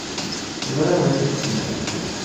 Ẓṛiɣ d acu i s-tennam.